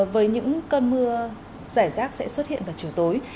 với những cơn mưa giải rác sẽ xuất hiện vào chiều tối